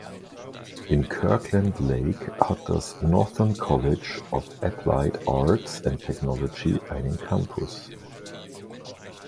In Kirkland Lake hat das Northern College of Applied Arts and Technology einen Campus.